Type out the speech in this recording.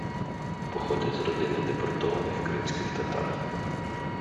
Походить з родини депортованих кримських татар.